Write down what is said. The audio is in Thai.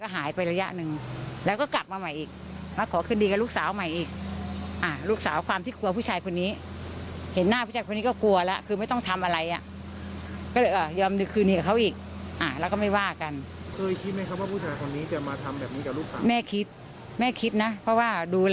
ให้ลงโทษที่หนักที่สุด